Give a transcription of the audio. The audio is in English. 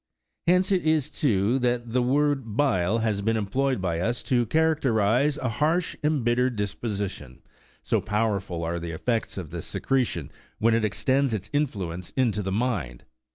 Hence it is, too, that the word " bile" has been employed by us to characterize a harsh, embittered disposition ; so powerful are the effects of this secretion, when it extends its influence to the mind.